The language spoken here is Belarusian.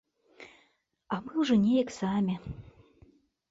А мы ўжо неяк самі.